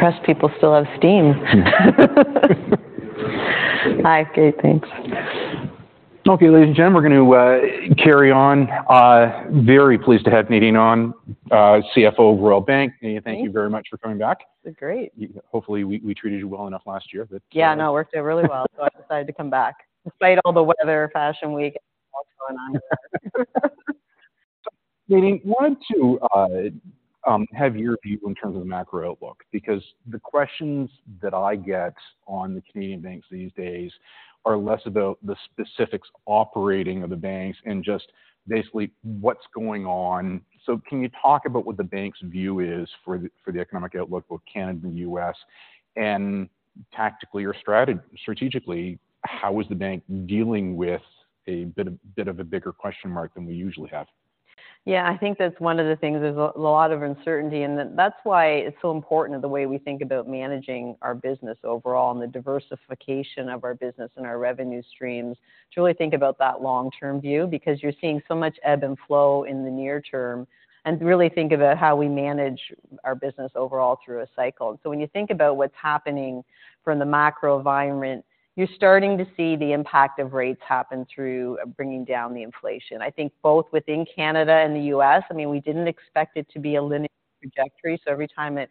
Impressed people still have steam. Hi, great, thanks. Okay, ladies and gentlemen, we're gonna carry on. Very pleased to have Nadine Ahn, CFO of Royal Bank. Thanks. Nadine, thank you very much for coming back. It's great. Hopefully, we treated you well enough last year, but- Yeah, no, it worked out really well, so I decided to come back, despite all the weather, fashion week, and what's going on. Nadine, wanted to have your view in terms of the macro outlook, because the questions that I get on the Canadian banks these days are less about the specifics operating of the banks and just basically what's going on. So can you talk about what the bank's view is for the economic outlook for Canada and U.S., and tactically or strategically, how is the bank dealing with a bit of a bigger question mark than we usually have? Yeah, I think that's one of the things. There's a lot of uncertainty, and that's why it's so important the way we think about managing our business overall and the diversification of our business and our revenue streams to really think about that long-term view, because you're seeing so much ebb and flow in the near term, and really think about how we manage our business overall through a cycle. So when you think about what's happening from the macro environment, you're starting to see the impact of rates happen through bringing down the inflation. I think both within Canada and the U.S., I mean, we didn't expect it to be a linear trajectory, so every time it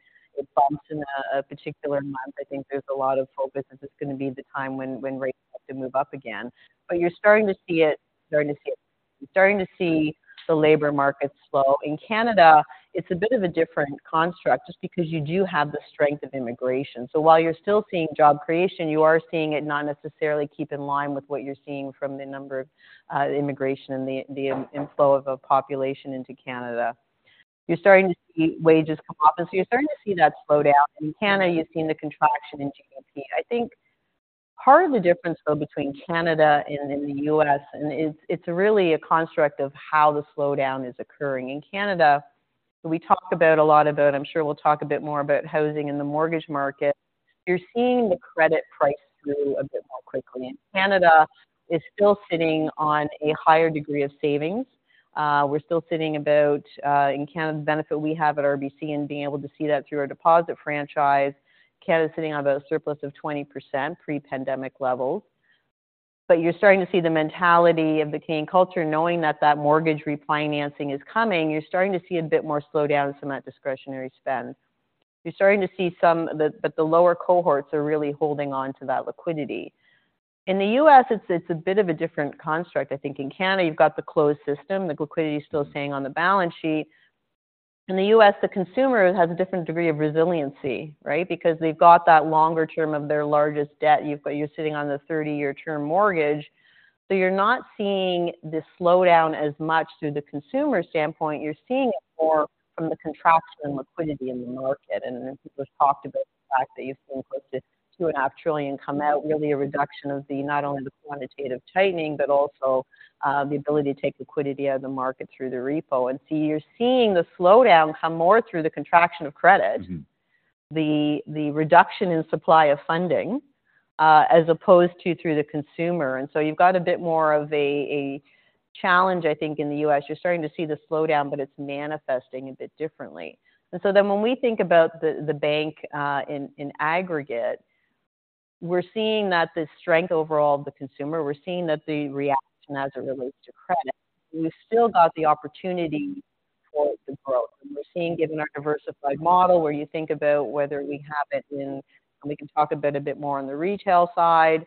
bumps in a particular month, I think there's a lot of focus. This is gonna be the time when rates have to move up again. But you're starting to see it, starting to see it. You're starting to see the labor market slow. In Canada, it's a bit of a different construct, just because you do have the strength of immigration. So while you're still seeing job creation, you are seeing it not necessarily keep in line with what you're seeing from the number of immigration and the inflow of a population into Canada. You're starting to see wages come up, and so you're starting to see that slow down. In Canada, you've seen the contraction in GDP. I think part of the difference, though, between Canada and the U.S., and it's really a construct of how the slowdown is occurring. In Canada, we talked about a lot... I'm sure we'll talk a bit more about housing in the mortgage market. You're seeing the credit price through a bit more quickly, and Canada is still sitting on a higher degree of savings. We're still sitting about in Canada, the benefit we have at RBC and being able to see that through our deposit franchise. Canada is sitting on about a surplus of 20% pre-pandemic levels. But you're starting to see the mentality of the Canadian culture, knowing that that mortgage refinancing is coming, you're starting to see a bit more slowdown from that discretionary spend. You're starting to see, but the lower cohorts are really holding on to that liquidity. In the U.S., it's a bit of a different construct. I think in Canada, you've got the closed system, the liquidity is still staying on the balance sheet. In the U.S., the consumer has a different degree of resiliency, right? Because they've got that longer term of their largest debt. You're sitting on the 30-year term mortgage, so you're not seeing this slowdown as much through the consumer standpoint. You're seeing it more from the contraction in liquidity in the market. And people have talked about the fact that you've seen close to $2.5 trillion come out, really a reduction of the, not only the quantitative tightening, but also, the ability to take liquidity out of the market through the repo. And so you're seeing the slowdown come more through the contraction of credit- Mm-hmm. The reduction in supply of funding, as opposed to through the consumer. And so you've got a bit more of a challenge, I think, in the U.S. You're starting to see the slowdown, but it's manifesting a bit differently. And so then when we think about the bank, in aggregate, we're seeing that the strength overall of the consumer, we're seeing that the reaction as it relates to credit, we've still got the opportunity for the growth. And we're seeing, given our diversified model, where you think about whether we have it in, and we can talk about a bit more on the retail side,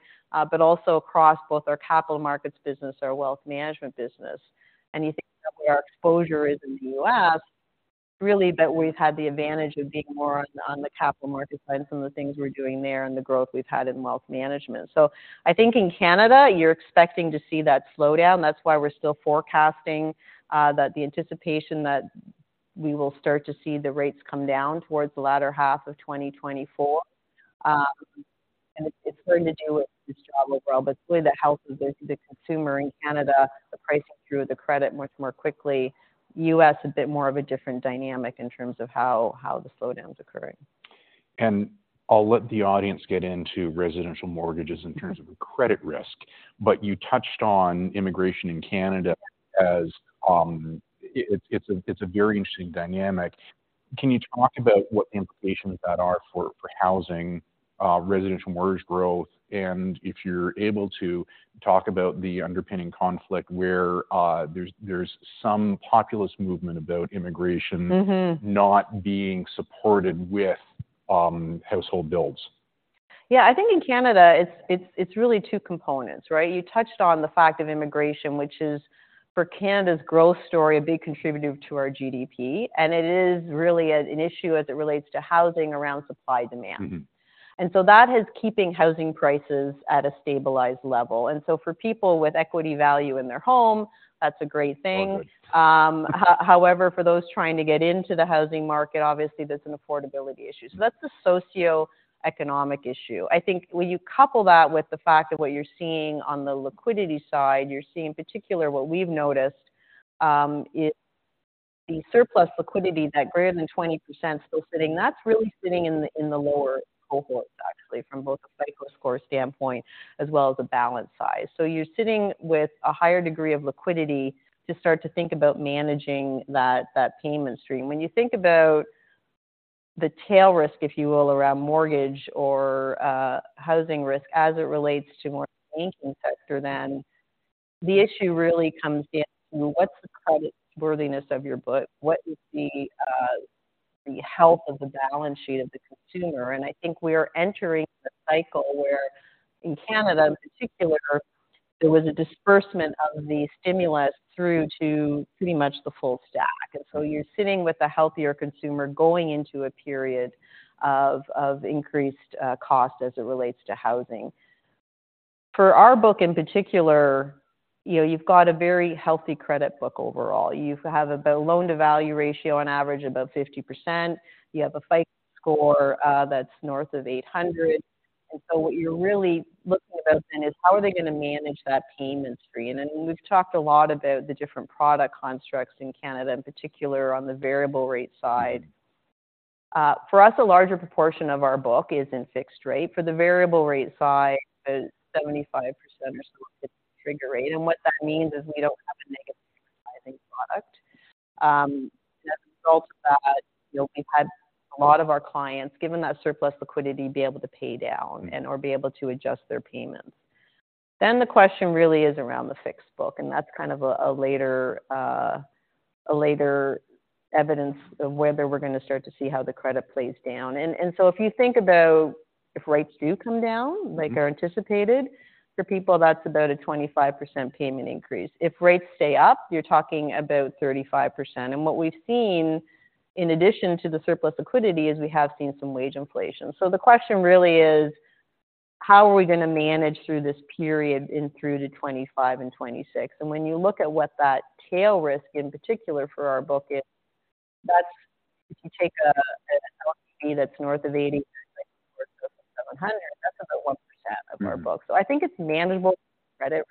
but also across both our capital markets business, our wealth management business. And you think about where our exposure is in the U.S., really, that we've had the advantage of being more on the capital markets side and some of the things we're doing there and the growth we've had in wealth management. So I think in Canada, you're expecting to see that slowdown. That's why we're still forecasting that the anticipation that we will start to see the rates come down towards the latter half of 2024. And it's going to do with this job overall, but it's really the health of the consumer in Canada, the pricing through the credit much more quickly. U.S., a bit more of a different dynamic in terms of how the slowdown is occurring. I'll let the audience get into residential mortgages in terms- Mm-hmm. - of credit risk, but you touched on immigration in Canada as it, it's a very interesting dynamic. Can you talk about what the implications of that are for housing, residential mortgage growth, and if you're able to, talk about the underpinning conflict where there's some populist movement about immigration- Mm-hmm... not being supported with, household builds? Yeah, I think in Canada, it's really two components, right? You touched on the fact of immigration, which is for Canada's growth story, a big contributor to our GDP, and it is really an issue as it relates to housing around supply, demand. Mm-hmm. And so that is keeping housing prices at a stabilized level. And so for people with equity value in their home, that's a great thing. Oh, good. However, for those trying to get into the housing market, obviously, that's an affordability issue. So that's the socioeconomic issue. I think when you couple that with the fact of what you're seeing on the liquidity side, you're seeing, in particular, what we've noticed, is the surplus liquidity that greater than 20% still sitting, that's really sitting in the low cohorts actually, from both a FICO Score standpoint as well as a balance size. So you're sitting with a higher degree of liquidity to start to think about managing that payment stream. When you think about the tail risk, if you will, around mortgage or housing risk as it relates to more banking sector, then the issue really comes down to what's the creditworthiness of your book? What is the health of the balance sheet of the consumer? I think we are entering a cycle where in Canada in particular, there was a disbursement of the stimulus through to pretty much the full stack. And so you're sitting with a healthier consumer going into a period of increased cost as it relates to housing. For our book in particular, you know, you've got a very healthy credit book overall. You have about a loan-to-value ratio on average, about 50%. You have a FICO score that's north of 800, and so what you're really looking about then is how are they gonna manage that payment stream? And we've talked a lot about the different product constructs in Canada, in particular, on the variable rate side. For us, a larger proportion of our book is in fixed rate. For the variable rate side, 75% or so trigger rate, and what that means is we don't have a negative pricing product. As a result of that, you know, we've had a lot of our clients, given that surplus liquidity, be able to pay down and/or be able to adjust their payments. Then the question really is around the fixed book, and that's kind of a later evidence of whether we're gonna start to see how the credit plays down. And so if you think about if rates do come down, like are anticipated, for people, that's about a 25% payment increase. If rates stay up, you're talking about 35%. And what we've seen in addition to the surplus liquidity is we have seen some wage inflation. So the question really is: How are we gonna manage through this period in through to 2025 and 2026? And when you look at what that tail risk in particular for our book is, that's if you take a, an LP that's north of 85,700, that's about 1% of our book. Mm-hmm. So I think it's manageable credit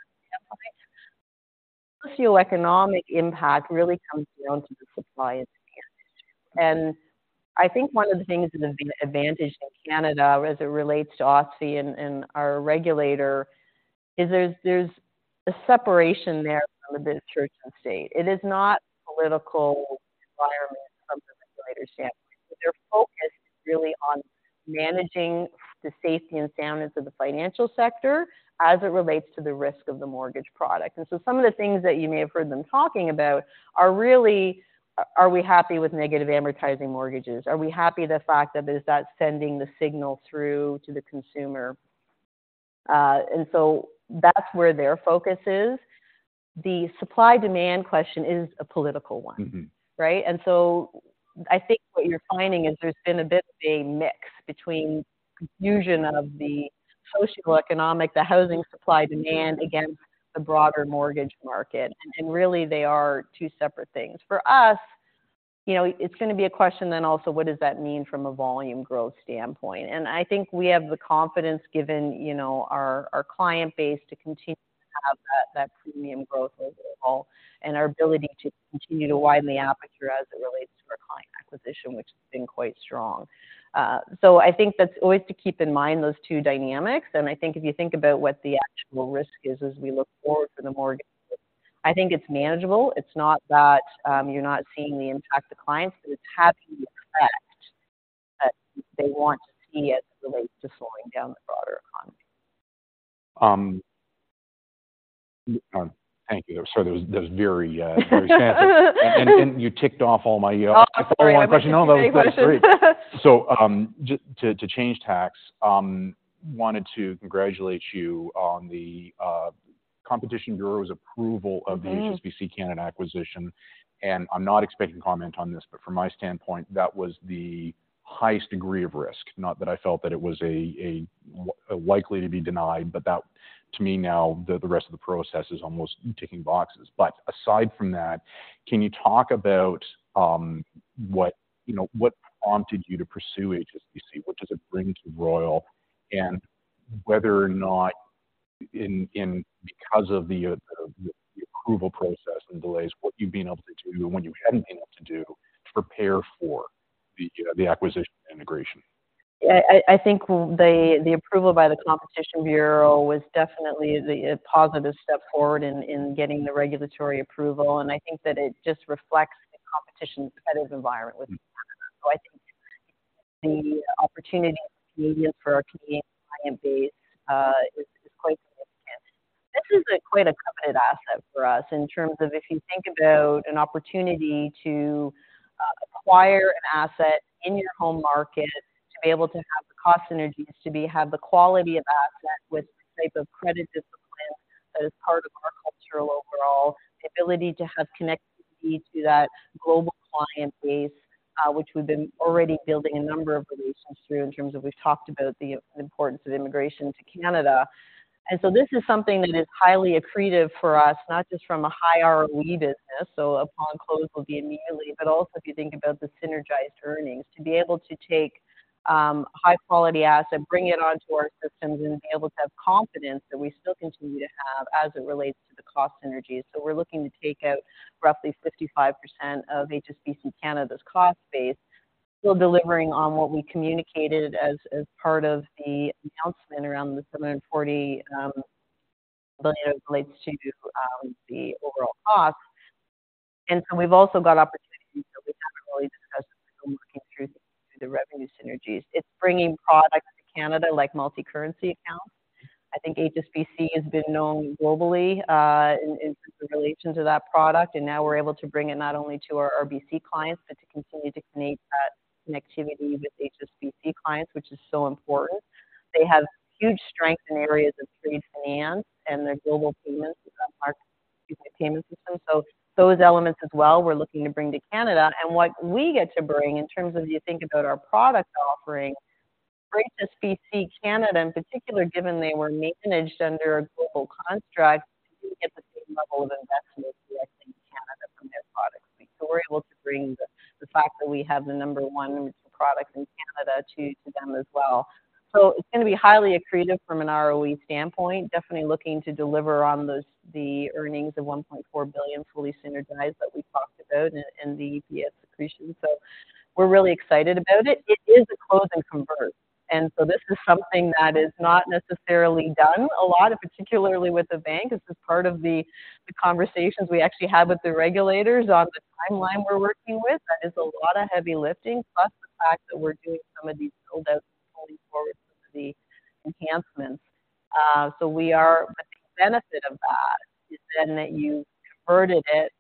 standpoint. Socioeconomic impact really comes down to the supply and demand. And I think one of the things that has been an advantage in Canada as it relates to OSFI and our regulator is there's a separation there from the church and state. It is not political environment from the regulator standpoint, but they're focused really on managing the safety and soundness of the financial sector as it relates to the risk of the mortgage product. And so some of the things that you may have heard them talking about are really, are we happy with negative amortizing mortgages? Are we happy with the fact that is that sending the signal through to the consumer? And so that's where their focus is. The supply demand question is a political one. Mm-hmm. Right? And so I think what you're finding is there's been a bit of a mix between confusion of the socioeconomic, the housing supply-demand against the broader mortgage market, and really, they are two separate things. For us, you know, it's gonna be a question then also, what does that mean from a volume growth standpoint? And I think we have the confidence given, you know, our, our client base to continue to have that, that premium growth overall, and our ability to continue to widen the aperture as it relates to our client acquisition, which has been quite strong. So I think that's always to keep in mind those two dynamics, and I think if you think about what the actual risk is as we look forward for the mortgage, I think it's manageable. It's not that, you're not seeing the impact of clients, but it's having the effect that they want to see as it relates to slowing down the broader economy. Thank you. Sorry, that was very expansive. And you ticked off all my- Oh, sorry. No, that was great. So, to change tacks, wanted to congratulate you on the Competition Bureau's approval of the- Mm-hmm... HSBC Canada acquisition, and I'm not expecting comment on this, but from my standpoint, that was the highest degree of risk. Not that I felt that it was likely to be denied, but that to me now, the rest of the process is almost ticking boxes. But aside from that, can you talk about what, you know, what prompted you to pursue HSBC? What does it bring to Royal, and whether or not, because of the approval process and delays, what you've been able to do and what you hadn't been able to do to prepare for the acquisition integration? I think the approval by the Competition Bureau was definitely a positive step forward in getting the regulatory approval, and I think that it just reflects the competitive environment with Canada. So I think the opportunity for our Canadian client base is quite significant. This is quite a coveted asset for us in terms of if you think about an opportunity to acquire an asset in your home market, to be able to have the cost synergies, to have the quality of asset with the type of credit discipline that is part of our cultural overall, the ability to have connectivity to that global client base, which we've been already building a number of relations through in terms of we've talked about the importance of immigration to Canada. This is something that is highly accretive for us, not just from a high ROE business, so upon close will be immediately, but also if you think about the synergized earnings. To be able to take high quality asset, bring it onto our systems, and be able to have confidence that we still continue to have as it relates to the cost synergies. So we're looking to take out roughly 55% of HSBC Canada's cost base, still delivering on what we communicated as, as part of the announcement around the 740 million, but, you know, relates to the overall cost. And so we've also got opportunities that we haven't really discussed as we're looking through, through the revenue synergies. It's bringing products to Canada, like multicurrency accounts. I think HSBC has been known globally, in relation to that product, and now we're able to bring it not only to our RBC clients, but to continue to create that connectivity with HSBC clients, which is so important. They have huge strength in areas of trade finance and their global payments with our payment system. So those elements as well, we're looking to bring to Canada. And what we get to bring in terms of you think about our product offering, HSBC Canada in particular, given they were managed under a global construct, we get the same level of investment we have in Canada from their product suite. So we're able to bring the fact that we have the number one products in Canada to them as well. So it's going to be highly accretive from an ROE standpoint. Definitely looking to deliver on those, the earnings of 1.4 billion fully synergized that we talked about in the EPS accretion. So we're really excited about it. It is a close and convert, and so this is something that is not necessarily done a lot, particularly with the bank. This is part of the conversations we actually had with the regulators on the timeline we're working with. That is a lot of heavy lifting, plus the fact that we're doing some of these build outs, pulling forward some of the enhancements. So we are. But the benefit of that is then that you've converted it,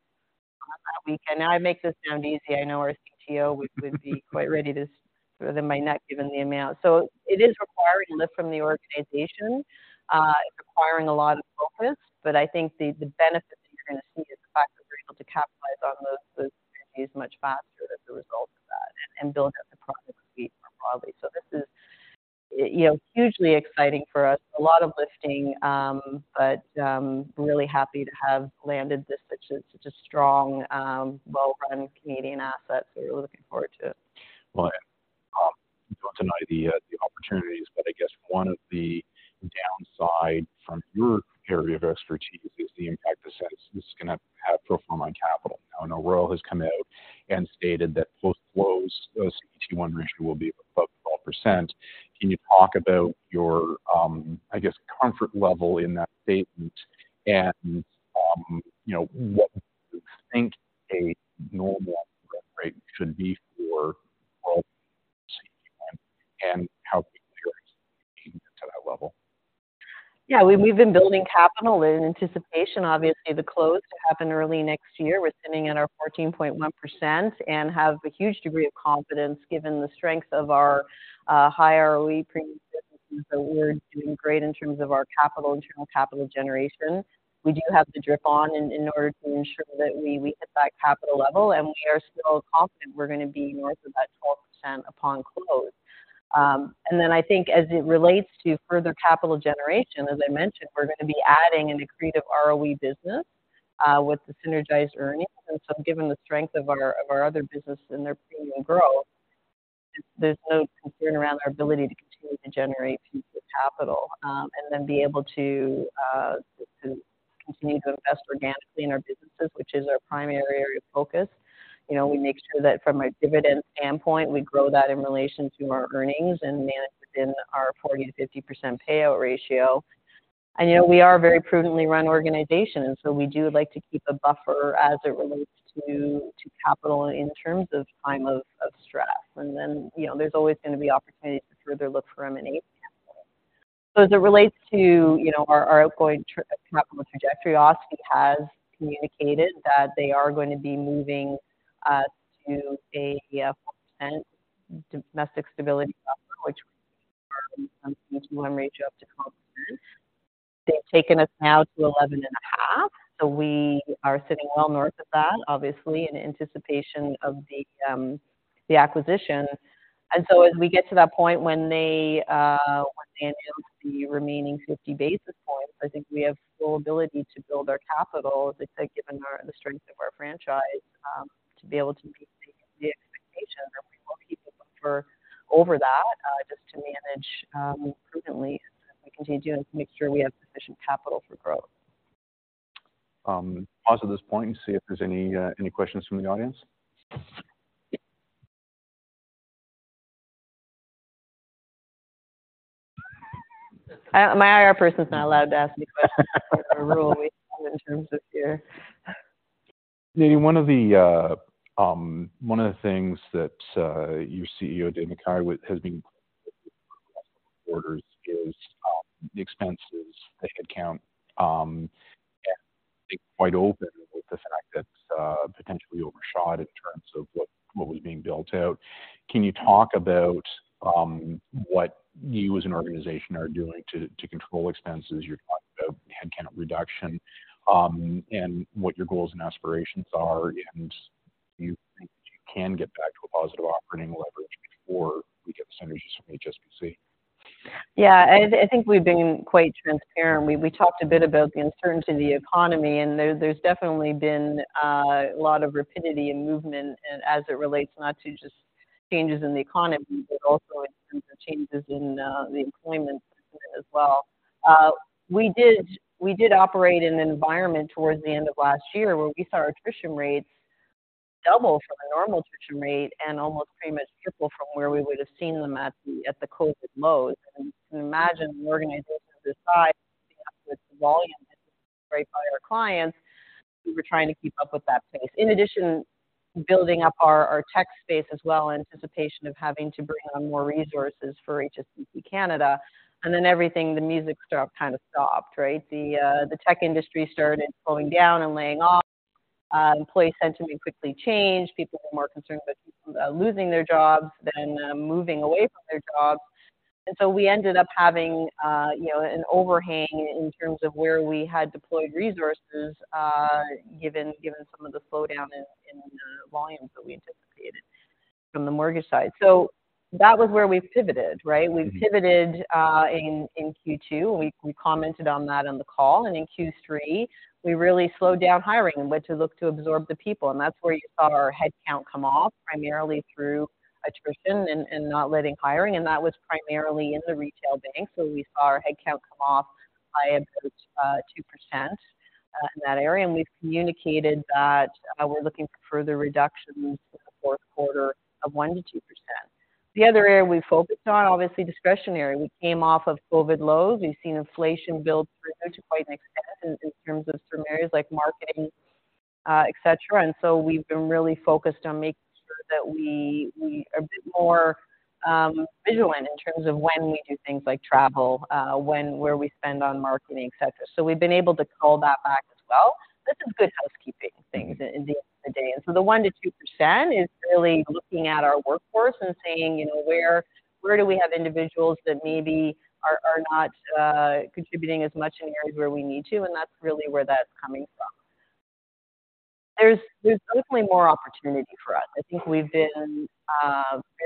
we can. Now, I make this sound easy. I know our CTO would be quite ready to wring my neck given the amount. So it is requiring lift from the organization. It's requiring a lot of focus, but I think the benefits that you're going to see is the fact that we're able to capitalize on those synergies much faster as a result of that and build up the product suite more broadly. So this is, you know, hugely exciting for us. A lot of lifting, but really happy to have landed such a strong, well-run Canadian asset. So we're looking forward to it. Well, don't deny the opportunities, but I guess one of the downside from your area of expertise is the impact this is going to have pro forma on capital. Now, I know Royal has come out and stated that post-close CET1 ratio will be above 12%. Can you talk about your, I guess, comfort level in that statement? And, you know, what do you think a normal growth rate should be for Royal CET1, and how quickly you're expecting to get to that level? Yeah, we've been building capital in anticipation. Obviously, the close to happen early next year. We're sitting at our 14.1% and have a huge degree of confidence given the strength of our high ROE premium businesses. So we're doing great in terms of our capital and internal capital generation. We do have to drip on in order to ensure that we hit that capital level, and we are still confident we're going to be north of that 12% upon close. And then I think as it relates to further capital generation, as I mentioned, we're going to be adding an accretive ROE business with the synergized earnings. So given the strength of our, of our other business and their premium growth, there's no concern around our ability to continue to generate pieces of capital, and then be able to continue to invest organically in our businesses, which is our primary area of focus. You know, we make sure that from a dividend standpoint, we grow that in relation to our earnings and manage it in our 40% to 50% payout ratio. And, you know, we are a very prudently run organization, and so we do like to keep a buffer as it relates to capital in terms of time of stress. And then, you know, there's always going to be opportunities to further look for M&A capital. So as it relates to, you know, our outgoing capital trajectory, OSFI has communicated that they are going to be moving to a 4% domestic stability buffer, which ratio up to 12%. They've taken us now to 11.5, so we are sitting well north of that, obviously, in anticipation of the acquisition. And so as we get to that point, when they announce the remaining 50 basis points, I think we have full ability to build our capital, as I said, given the strength of our franchise, to be able to meet the expectation, and we will keep it over that just to manage prudently as we continue to make sure we have sufficient capital for growth. Pause at this point and see if there's any questions from the audience. Yeah. My IR person's not allowed to ask me questions. It's a rule we have in terms of here. Nadine, one of the things that your CEO, Dave McKay, has been quarters is the expenses, the headcount, and being quite open with the fact that potentially overshot in terms of what was being built out. Can you talk about what you as an organization are doing to control expenses? You're talking about headcount reduction, and what your goals and aspirations are, and do you think you can get back to a positive operating leverage before we get the synergies from HSBC? Yeah, I, I think we've been quite transparent. We, we talked a bit about the uncertainty of the economy, and there, there's definitely been a lot of rapidity and movement, and as it relates not to just changes in the economy, but also in terms of changes in the employment as well. We did, we did operate in an environment towards the end of last year where we saw attrition rates double from the normal attrition rate and almost pretty much triple from where we would have seen them at the COVID lows. And you can imagine an organization of this size with the volume generated by our clients, we were trying to keep up with that pace. In addition, building up our, our tech space as well, in anticipation of having to bring on more resources for HSBC Canada. And then everything, the music stopped, right? The tech industry started slowing down and laying off. Employee sentiment quickly changed. People were more concerned with losing their jobs than moving away from their jobs. And so we ended up having, you know, an overhang in terms of where we had deployed resources, given some of the slowdown in volumes that we anticipated from the mortgage side. So that was where we pivoted, right? We pivoted in Q2. We commented on that on the call, and in Q3, we really slowed down hiring and went to look to absorb the people. And that's where you saw our headcount come off, primarily through attrition and not letting hiring, and that was primarily in the retail bank. So we saw our headcount come off by about 2%, in that area, and we've communicated that we're looking for further reductions in the fourth quarter of 1% to 2%. The other area we focused on, obviously discretionary. We came off of COVID lows. We've seen inflation build further to quite an extent in terms of some areas like marketing, et cetera. And so we've been really focused on making sure that we are a bit more vigilant in terms of when we do things like travel, when, where we spend on marketing, et cetera. So we've been able to cull that back as well. This is good housekeeping things at the end of the day, and so the 1% to 2% is really looking at our workforce and saying, you know, where do we have individuals that maybe are not contributing as much in areas where we need to? And that's really where that's coming from. There's hopefully more opportunity for us. I think we've been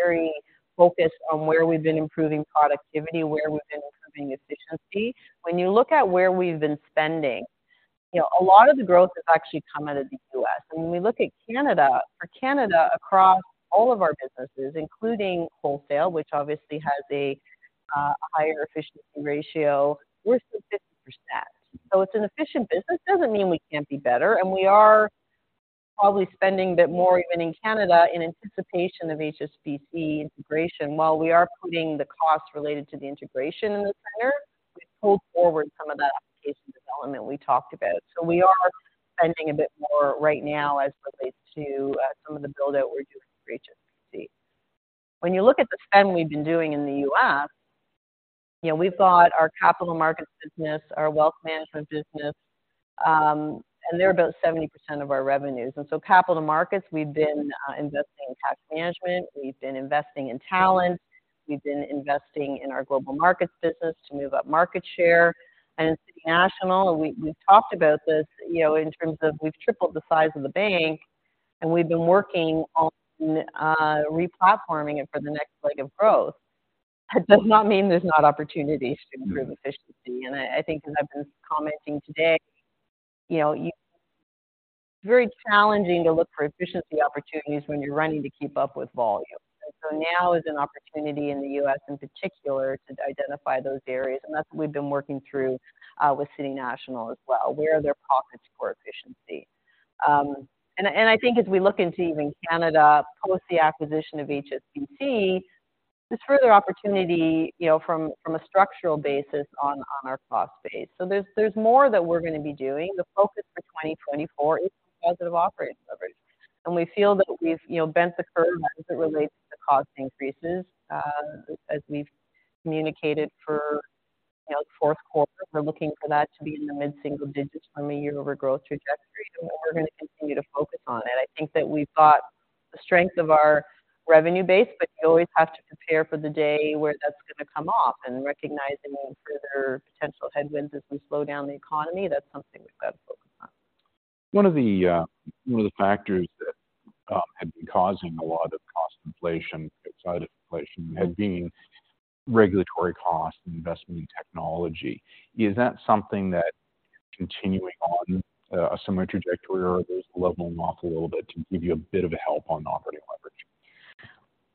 very focused on where we've been improving productivity, where we've been improving efficiency. When you look at where we've been spending, you know, a lot of the growth has actually come out of the U.S. And when we look at Canada, for Canada, across all of our businesses, including wholesale, which obviously has a higher efficiency ratio, we're still 50%. So it's an efficient business. Doesn't mean we can't be better, and we are probably spending a bit more even in Canada, in anticipation of HSBC integration. While we are putting the costs related to the integration in the center, we've pulled forward some of that application development we talked about. So we are spending a bit more right now as it relates to some of the build-out we're doing for HSBC. When you look at the spend we've been doing in the U.S., you know, we've got our capital markets business, our wealth management business, and they're about 70% of our revenues. And so capital markets, we've been investing in tax management, we've been investing in talent, we've been investing in our global markets business to move up market share. And City National, and we, we've talked about this, you know, in terms of we've tripled the size of the bank, and we've been working on replatforming it for the next leg of growth. That does not mean there's not opportunities to improve efficiency. And I, I think as I've been commenting today, you know, you... It's very challenging to look for efficiency opportunities when you're running to keep up with volume. And so now is an opportunity in the U.S. in particular, to identify those areas, and that's what we've been working through with City National as well. Where are there pockets for efficiency? And I, and I think as we look into even Canada, post the acquisition of HSBC, there's further opportunity, you know, from, from a structural basis on, on our cost base. So there's, there's more that we're going to be doing. The focus for 2024 is positive operating leverage, and we feel that we've, you know, bent the curve as it relates to cost increases. As we've communicated for, you know, fourth quarter, we're looking for that to be in the mid-single digits from a year-over-year growth trajectory. We're going to continue to focus on it. I think that we've got the strength of our revenue base, but you always have to prepare for the day where that's going to come off. Recognizing further potential headwinds as we slow down the economy, that's something we've got to focus on. One of the factors that had been causing a lot of cost inflation outside of inflation had been regulatory costs and investment in technology. Is that something that continuing on a similar trajectory, or are those leveling off a little bit to give you a bit of a help on operating leverage?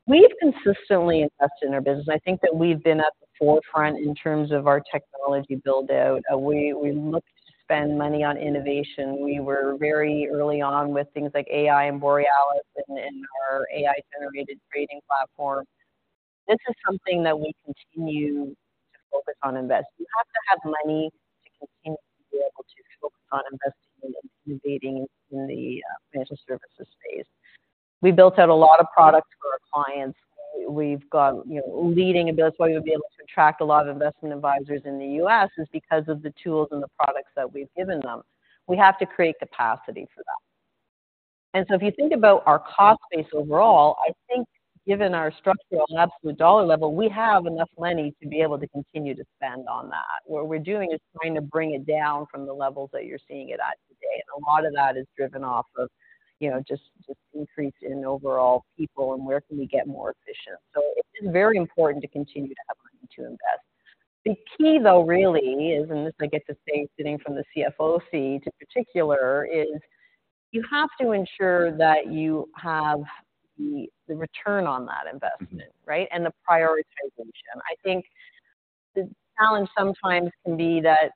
We've consistently invested in our business. I think that we've been at the forefront in terms of our technology build-out. We looked to spend money on innovation. We were very early on with things like AI and Borealis and our AI-generated trading platform. This is something that we continue to focus on investing. You have to have money to continue to be able to focus on investing and innovating in the financial services space. We built out a lot of products for our clients. We've got, you know, leading... And that's why we'll be able to attract a lot of investment advisors in the U.S. is because of the tools and the products that we've given them. We have to create capacity for that. So if you think about our cost base overall, I think given our structural and absolute dollar level, we have enough money to be able to continue to spend on that. What we're doing is trying to bring it down from the levels that you're seeing it at today, and a lot of that is driven off of, you know, just increase in overall people and where can we get more efficient. So it is very important to continue to have money to invest. The key, though, really is, and this I get to say, sitting from the CFO seat in particular, is you have to ensure that you have the return on that investment, right? And the prioritization. I think the challenge sometimes can be that...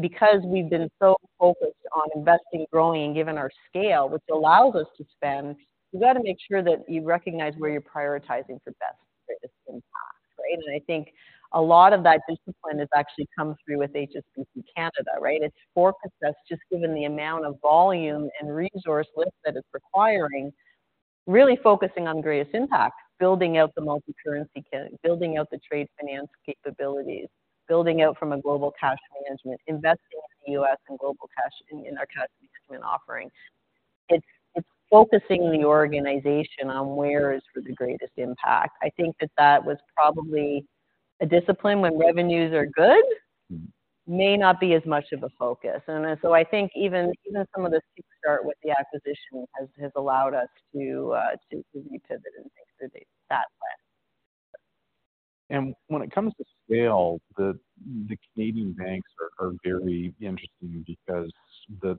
Because we've been so focused on investing, growing, and given our scale, which allows us to spend, you've got to make sure that you recognize where you're prioritizing for best greatest impact, right? And I think a lot of that discipline has actually come through with HSBC Canada, right? It's focused us, just given the amount of volume and resource lift that it's requiring, really focusing on greatest impact, building out the multi-currency, building out the trade finance capabilities, building out from a global cash management, investing in the U.S. and global cash in, in our cash management offering. It's, it's focusing the organization on where is for the greatest impact. I think that that was probably a discipline when revenues are good- Mm-hmm. may not be as much of a focus. And so I think even some of the start with the acquisition has allowed us to repivot and think through that plan. When it comes to scale, the Canadian banks are very interesting because the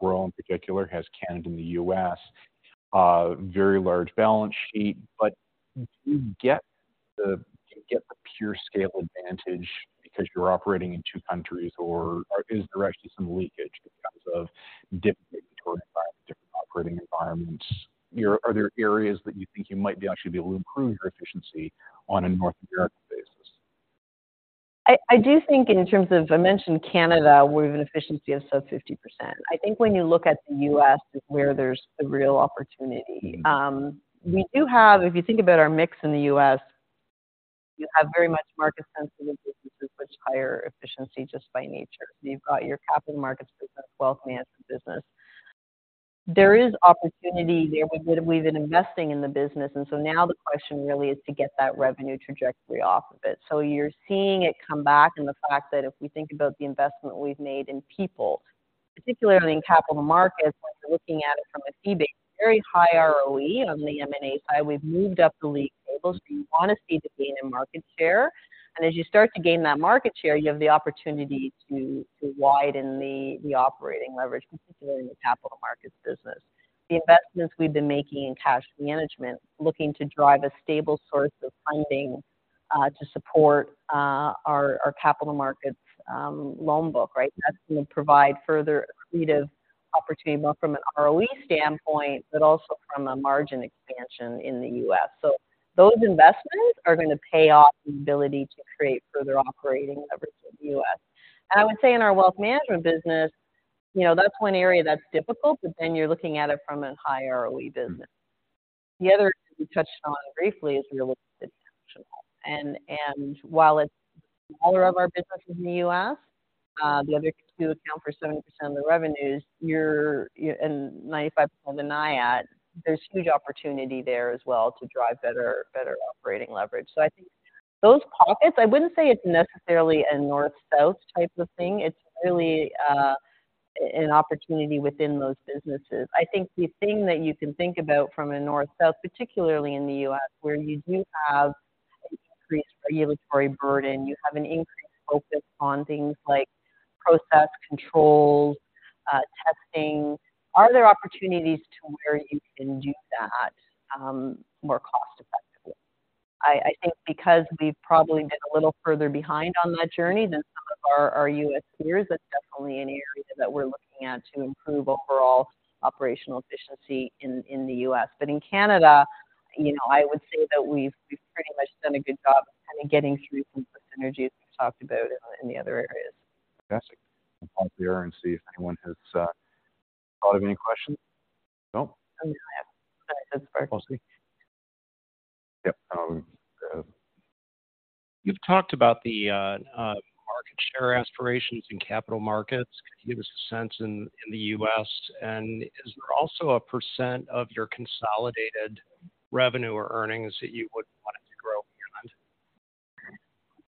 world in particular has Canada and the U.S. very large balance sheet. But do you get the pure scale advantage because you're operating in two countries, or is there actually some leakage in terms of different operating environments? Are there areas that you think you might actually be able to improve your efficiency on a North American basis? I do think in terms of... I mentioned Canada, where we have an efficiency of sub 50%. I think when you look at the U.S., is where there's the real opportunity. We do have, if you think about our mix in the U.S., you have very much market-sensitive businesses, much higher efficiency just by nature. You've got your capital markets business, wealth management business. There is opportunity there. We've been, we've been investing in the business, and so now the question really is to get that revenue trajectory off of it. So you're seeing it come back, and the fact that if we think about the investment we've made in people, particularly in capital markets, when you're looking at it from a fee base, very high ROE on the M&A side, we've moved up the league tables. So you want to see the gain in market share. As you start to gain that market share, you have the opportunity to widen the operating leverage, particularly in the capital markets business. The investments we've been making in cash management, looking to drive a stable source of funding, to support our capital markets loan book, right? That's going to provide further accretive opportunity, both from an ROE standpoint, but also from a margin expansion in the U.S. So those investments are going to pay off the ability to create further operating leverage in the U.S. And I would say in our wealth management business, you know, that's one area that's difficult, but then you're looking at it from a high ROE business. The other we touched on briefly is regulatory optional. And while it's all of our businesses in the U.S., the other two account for 70% of the revenues and 95% of the NIAT, there's huge opportunity there as well to drive better operating leverage. So I think those pockets, I wouldn't say it's necessarily a North-South type of thing. It's really an opportunity within those businesses. I think the thing that you can think about from a North-South, particularly in the U.S., where you do have an increased regulatory burden, you have an increased focus on things like process, controls, testing. Are there opportunities to where you can do that more cost effectively? I think because we've probably been a little further behind on that journey than some of our U.S. peers, that's definitely an area that we're looking at to improve overall operational efficiency in the U.S. But in Canada, you know, I would say that we've pretty much done a good job of kind of getting through some synergies we talked about in the other areas. Fantastic. I'll pause there and see if anyone has thought of any questions. No? I don't see. Yep. You've talked about the market share aspirations in capital markets. Could you give us a sense in the U.S., and is there also a percent of your consolidated revenue or earnings that you would want it to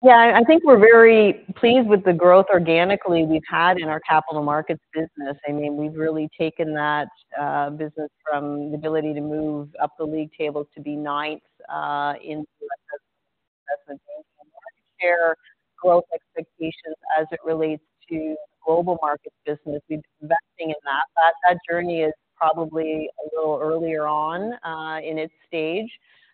grow beyond? Yeah, I think we're very pleased with the growth organically we've had in our Capital Markets business. I mean, we've really taken that business from the ability to move up the league tables to be ninth in share growth expectations as it relates to global markets business. We've been investing in that. That journey is probably a little earlier on in its stage,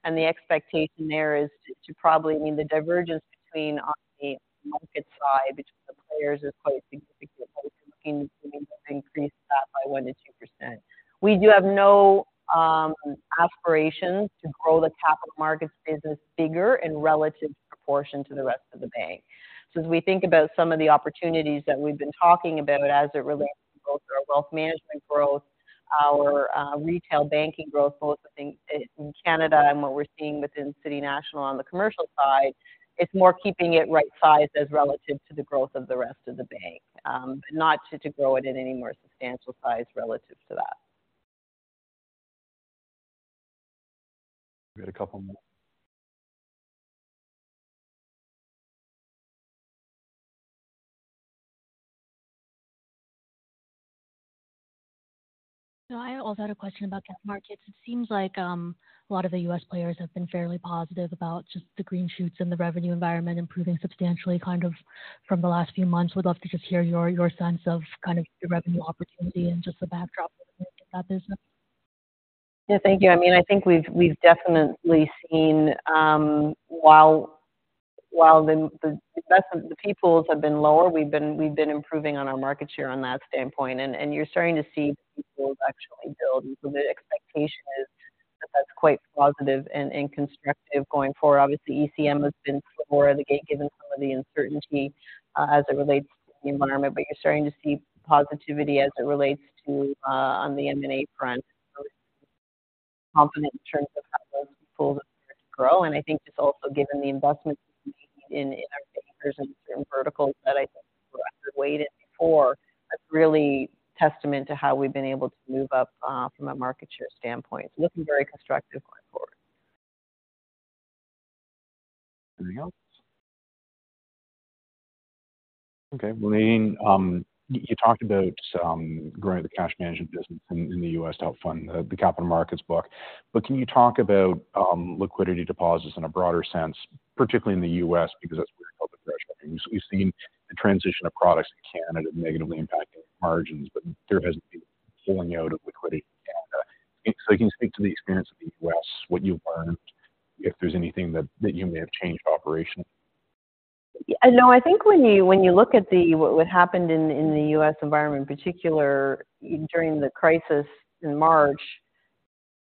and the expectation there is to probably mean the divergence between on the market side, between the players is quite significant. Looking to increase that by 1% to 2%. We do have no aspirations to grow the Capital Markets business bigger in relative proportion to the rest of the bank. So as we think about some of the opportunities that we've been talking about as it relates to both our wealth management growth, our retail banking growth, both I think in Canada and what we're seeing within City National on the commercial side, it's more keeping it right sized as relative to the growth of the rest of the bank, not to grow it at any more substantial size relative to that. We got a couple more. I also had a question about Capital Markets. It seems like, a lot of the U.S. players have been fairly positive about just the green shoots and the revenue environment improving substantially, kind of from the last few months. Would love to just hear your, your sense of kind of the revenue opportunity and just the backdrop of that business.... Yeah, thank you. I mean, I think we've definitely seen, while the investment, the pipelines have been lower, we've been improving on our market share on that standpoint, and you're starting to see people actually build. So the expectation is that that's quite positive and constructive going forward. Obviously, ECM has been slow out of the gate, given some of the uncertainty, as it relates to the environment, but you're starting to see positivity as it relates to on the M&A front. Confident in terms of how those pools grow, and I think it's also given the investments in our bankers and verticals that I think were underrated before. That's really testament to how we've been able to move up from a market share standpoint. So looking very constructive going forward. Anything else? Okay, Nadine, you talked about growing the cash management business in the U.S. to help fund the capital markets book. But can you talk about liquidity deposits in a broader sense, particularly in the U.S.? Because that's where the pull is fresh. We've seen the transition of products in Canada negatively impacting margins, but there hasn't been pulling out of liquidity in Canada. So can you speak to the experience of the U.S., what you've learned, if there's anything that you may have changed operationally? No, I think when you, when you look at the—what happened in, in the U.S. environment, particularly during the crisis in March,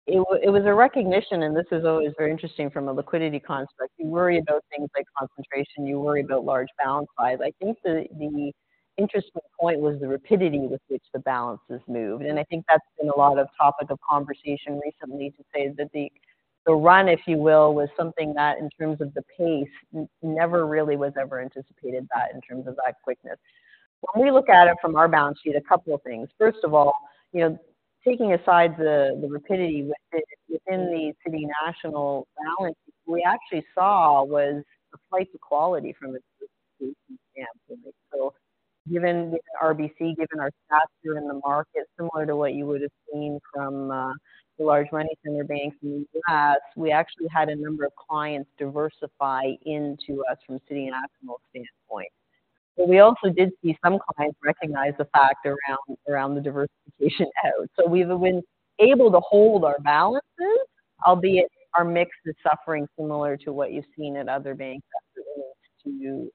it was, it was a recognition, and this is always very interesting from a liquidity construct. You worry about things like concentration, you worry about large balance size. I think the, the interesting point was the rapidity with which the balances moved, and I think that's been a lot of topic of conversation recently, to say that the, the run, if you will, was something that, in terms of the pace, never really was ever anticipated that in terms of that quickness. When we look at it from our balance sheet, a couple of things. First of all, you know, taking aside the, the rapidity within the City National balance, we actually saw was a flight to quality from a standpoint. So given RBC, given our stature in the market, similar to what you would have seen from the large money center banks in the U.S., we actually had a number of clients diversify into us from City National standpoint. But we also did see some clients recognize the fact around, around the diversification out. So we've been able to hold our balances, albeit our mix is suffering similar to what you've seen at other banks to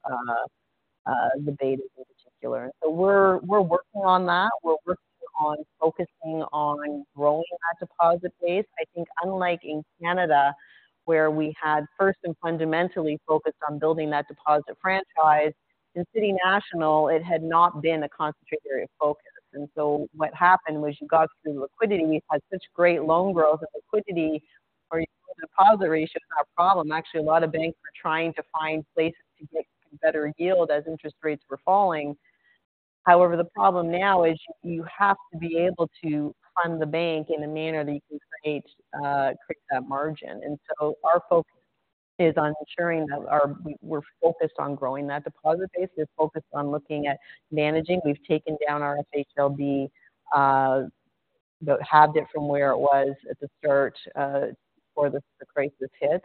debate in particular. So we're, we're working on that. We're working on focusing on growing that deposit base. I think unlike in Canada, where we had first and fundamentally focused on building that deposit franchise, in City National, it had not been a concentrated area of focus. And so what happened was you got through liquidity, had such great loan growth and liquidity, or deposit ratio is not a problem. Actually, a lot of banks were trying to find places to get better yield as interest rates were falling. However, the problem now is you have to be able to fund the bank in a manner that you can create that margin. And so our focus is on ensuring that our, we're focused on growing that deposit base, is focused on looking at managing. We've taken down our FHLB, halved it from where it was at the start before the crisis hit.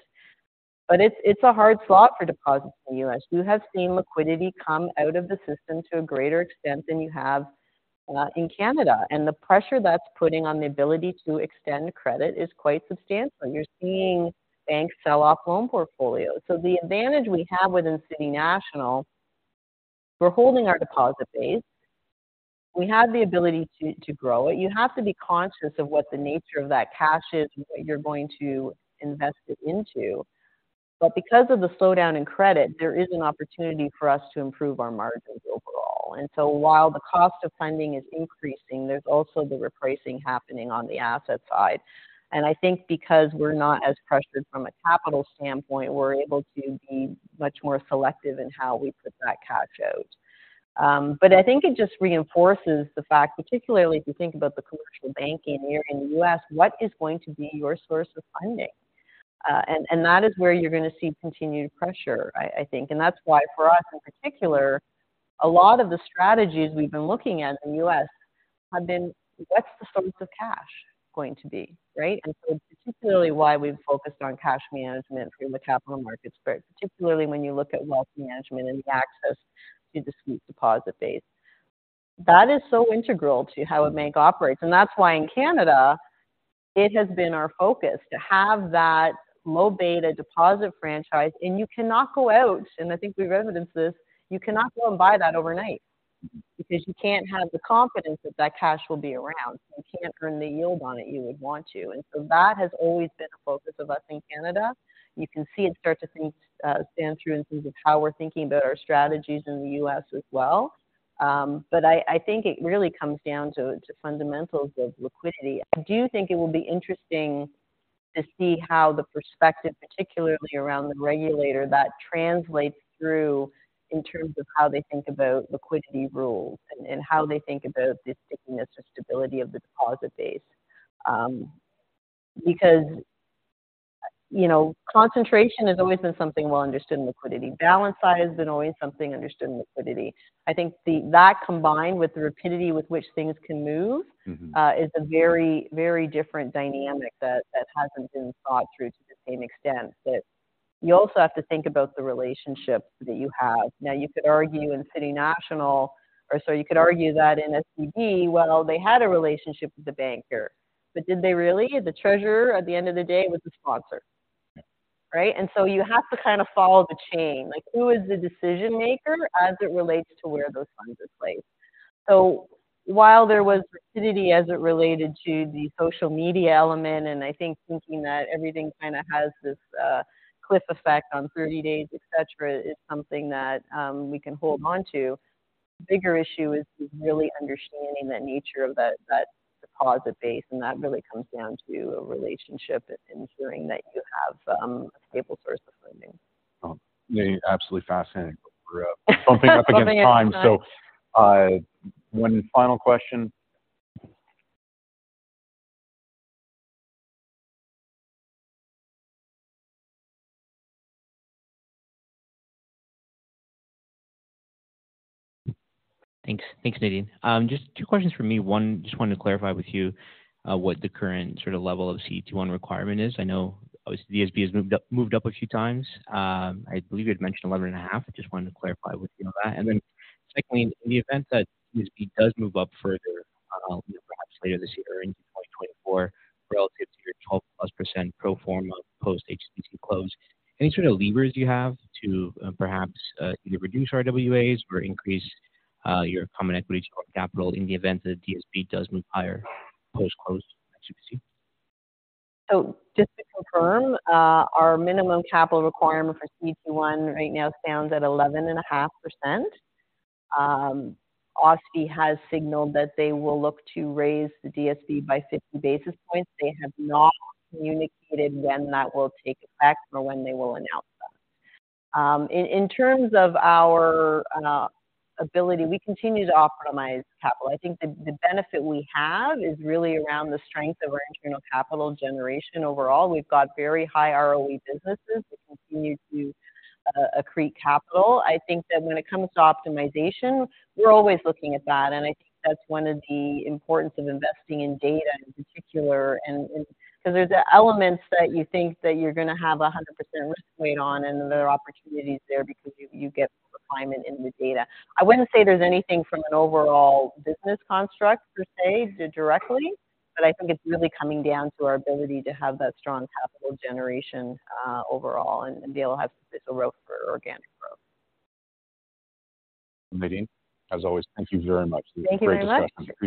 But it's a hard slot for deposits in the U.S. You have seen liquidity come out of the system to a greater extent than you have in Canada, and the pressure that's putting on the ability to extend credit is quite substantial. You're seeing banks sell off loan portfolios. So the advantage we have within City National, we're holding our deposit base. We have the ability to grow it. You have to be conscious of what the nature of that cash is and what you're going to invest it into. But because of the slowdown in credit, there is an opportunity for us to improve our margins overall. And so while the cost of funding is increasing, there's also the repricing happening on the asset side. And I think because we're not as pressured from a capital standpoint, we're able to be much more selective in how we put that cash out. But I think it just reinforces the fact, particularly if you think about the commercial banking here in the U.S., what is going to be your source of funding? And that is where you're going to see continued pressure, I think. And that's why for us, in particular, a lot of the strategies we've been looking at in the U.S. have been, what's the source of cash going to be, right? And so particularly why we've focused on cash management through the capital markets, but particularly when you look at wealth management and the access to discrete deposit base. That is so integral to how a bank operates, and that's why in Canada, it has been our focus to have that low beta deposit franchise. And you cannot go out, and I think we've evidenced this, you cannot go and buy that overnight because you can't have the confidence that that cash will be around. You can't earn the yield on it you would want to. And so that has always been a focus of us in Canada. You can see it start to think, stand through in terms of how we're thinking about our strategies in the U.S. as well. But I think it really comes down to fundamentals of liquidity. I do think it will be interesting to see how the perspective, particularly around the regulator, that translates through in terms of how they think about liquidity rules and how they think about the stickiness or stability of the deposit base. Because, you know, concentration has always been something well understood in liquidity. Balance size been always something understood in liquidity. I think that combined with the rapidity with which things can move- Mm-hmm. is a very, very different dynamic that hasn't been thought through to the same extent that... You also have to think about the relationships that you have. Now, you could argue in City National, or so you could argue that in SVB, well, they had a relationship with the banker, but did they really? The treasurer at the end of the day was the sponsor, right? And so you have to kind of follow the chain, like who is the decision-maker as it relates to where those funds are placed. So while there was liquidity as it related to the social media element, and I think thinking that everything kind of has this cliff effect on 30 days, et cetera, is something that we can hold on to. The bigger issue is really understanding the nature of that, that deposit base, and that really comes down to a relationship and ensuring that you have a stable source of funding. Oh, Nadine, absolutely fascinating, but we're up against time. So, one final question. Thanks. Thanks, Nadine. Just two questions for me. One, just wanted to clarify with you, what the current sort of level of CET1 requirement is. I know OSFI has moved up, moved up a few times. I believe you had mentioned 11.5. I just wanted to clarify with you on that. And then secondly, in the event that DSB does move up further, perhaps later this year or into 2024, relative to your 12%+ pro forma post-HSBC close, any sort of levers you have to, perhaps, either reduce RWAs or increase, your common equity core capital in the event that DSB does move higher post-close HSBC? So just to confirm, our minimum capital requirement for CET1 right now stands at 11.5%. OSFI has signaled that they will look to raise the DSB by 50 basis points. They have not communicated when that will take effect or when they will announce that. In terms of our ability, we continue to optimize capital. I think the benefit we have is really around the strength of our internal capital generation. Overall, we've got very high ROE businesses that continue to accrete capital. I think that when it comes to optimization, we're always looking at that, and I think that's one of the importance of investing in data in particular. So there's elements that you think that you're going to have a 100% risk weight on, and there are opportunities there because you get refinement in the data. I wouldn't say there's anything from an overall business construct per se, directly, but I think it's really coming down to our ability to have that strong capital generation overall, and be able to have a rope for organic growth. Nadine, as always, thank you very much. Thank you very much. Appreciate it.